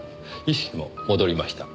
意識も戻りました。